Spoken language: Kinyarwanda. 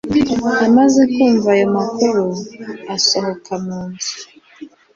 amaze kumva ayo makuru, asohoka mu nzu.